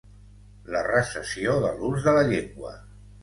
La recessió de l'ús de la llengua.